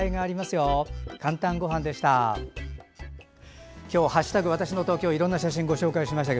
「かんたんごはん」でした。